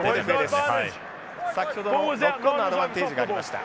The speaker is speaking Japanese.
先ほどのノックオンのアドバンテージがありました。